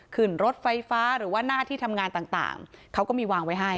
ขึ้นรถไฟฟ้าหรือว่าหน้าที่ทำงานต่างเขาก็มีวางไว้ให้